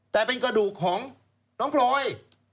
แต่เป็นกระดูกของน้องพลอย